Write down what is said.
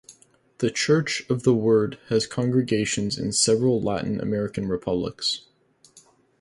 The Church of the Word has congregations in several Latin American republics.